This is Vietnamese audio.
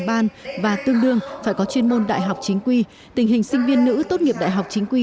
ban và tương đương phải có chuyên môn đại học chính quy tình hình sinh viên nữ tốt nghiệp đại học chính quy